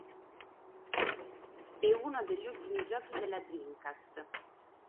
È uno degli ultimi giochi della Dreamcast.